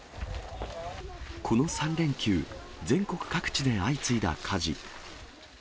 この３連休、全国各地で相次いだ火事。